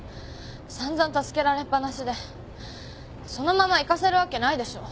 散々助けられっ放しでそのまま行かせるわけないでしょ。